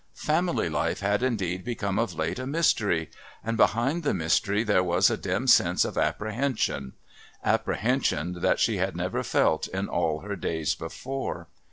Family life had indeed become of late a mystery, and behind the mystery there was a dim sense of apprehension, apprehension that she had never felt in all her days before.